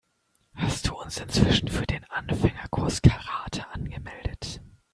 Hast du uns inzwischen für den Anfängerkurs Karate angemeldet?